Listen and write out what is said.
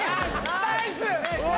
ナイス！